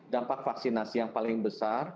dampak vaksinasi yang paling besar